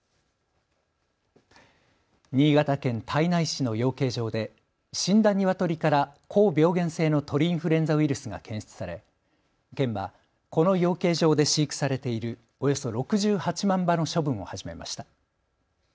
新潟県胎内市の養鶏場で死んだニワトリから高病原性の鳥インフルエンザウイルスが検出され県はこの養鶏場で飼育されているおよそ６８万羽の処分を始めました。